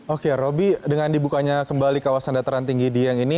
oke roby dengan dibukanya kembali kawasan dataran tinggi dieng ini